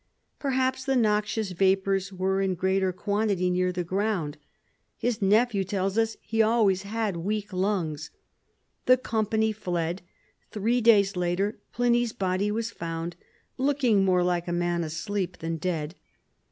Perhaps the noxious vapors were in greater quantity near the ground. His nephew tells us he always had weak lungs. The company fled. Three days later, Pliny's body was found "looking more like a man asleep than dead."